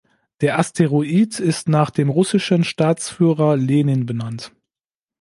Der Asteroid ist nach dem russischen Staatsführer Lenin benannt.